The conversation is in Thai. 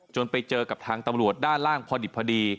ไปเจอกับทางตำรวจด้านล่างพอดิบพอดี